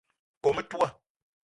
Kome metoua